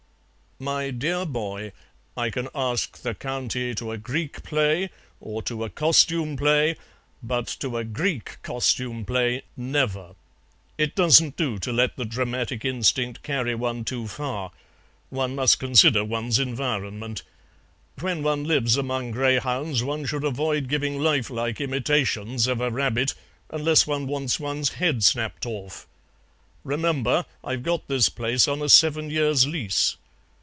"My dear boy, I can ask the County to a Greek play, or to a costume play, but to a Greek costume play, never. It doesn't do to let the dramatic instinct carry one too far; one must consider one's environment. When one lives among greyhounds one should avoid giving life like imitations of a rabbit, unless one want's one's head snapped off. Remember, I've got this place on a seven years' lease.